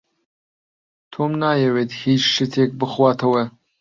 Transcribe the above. تۆم نایەوێت هێچ شتێک بخواتەوە.